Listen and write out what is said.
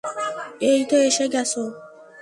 এইতো এসে গেছে।